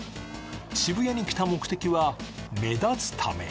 渋谷に来た目的は目立つため。